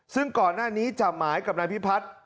ซึ่งก่อนหน้านี้จ่าหมายกับนายพิพัฒน์